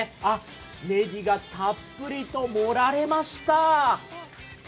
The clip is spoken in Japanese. ねぎがたっぷりと盛られました。